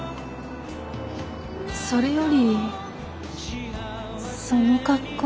それよりその格好。